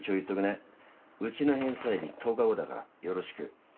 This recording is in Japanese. うちの返済日１０日後だからよろしく。